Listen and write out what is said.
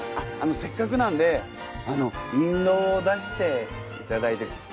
せっかくなんで印籠を出していただいて。